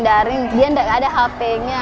tapi anaknya yang daring dia gak ada hp nya